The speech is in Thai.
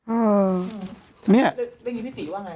้ือนี่งี่พี่ติว่าไงค่ะ